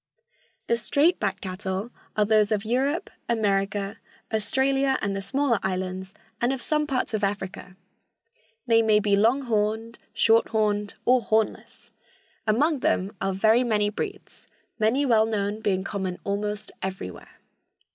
The straight backed cattle are those of Europe, America, Australia and the smaller islands, and of some parts of Africa. They may be long horned, short horned or hornless. Among them are very many breeds, many well known being common almost everywhere.